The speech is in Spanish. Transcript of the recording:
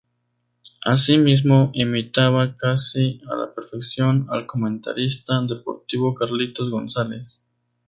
Así mismo, imitaba casi a la perfección al comentarista deportivo Carlitos González.